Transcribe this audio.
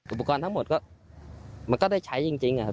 อุปกรณ์ทั้งหมดก็มันก็ได้ใช้จริงครับ